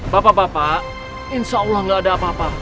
bapak bapak insya allah gak ada apa apa